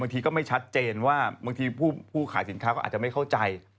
ทีก็ไม่ชัดเจนว่าบางทีผู้ขายสินค้าก็อาจจะไม่เข้าใจ